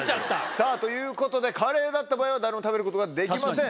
さぁということでカレーだった場合は誰も食べることができません